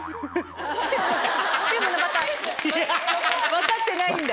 分かってないんだ。